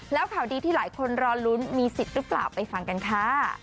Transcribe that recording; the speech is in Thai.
แล้วข่าวดีที่หลายคนรอลุ้นมีสิทธิ์หรือเปล่าไปฟังกันค่ะ